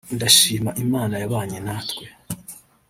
ndashima Imana yabanye natwe